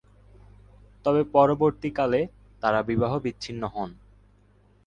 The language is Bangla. তবে পরবর্তীকালে তারা বিবাহ বিচ্ছিন্ন হন।